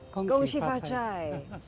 kong shi fa chai